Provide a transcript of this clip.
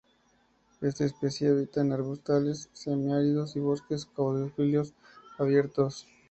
Esta especie habita en arbustales semiáridos y bosques caducifolios abiertos.